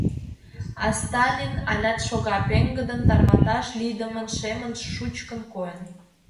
А Сталин алят шога: пеҥгыдын, тарваташ лийдымын, шемын, шучкын койын.